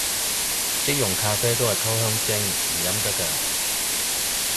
即溶咖啡都係溝香精，唔飲得咖